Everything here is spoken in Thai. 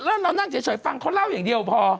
แล้วเรานั่งเฉยฟังเขาเล่าอย่างเดียวพอ